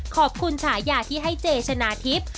ขอบคุณฉายาที่ให้เจชนะทิพย์